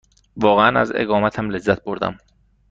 واقعاً از اقامتم لذت بردم.